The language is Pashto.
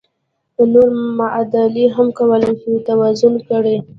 نورې معادلې هم کولای شئ توازن کړئ.